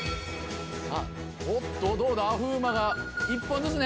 おっとどうだ風磨が１本ずつね。